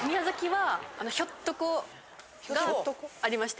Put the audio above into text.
ひょっとこがありまして。